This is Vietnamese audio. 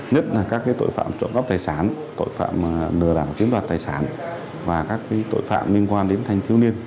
nhất là các tội phạm trộm góc tài sản tội phạm nửa đảng chiếm đoạt tài sản và các tội phạm liên quan đến thanh thiếu niên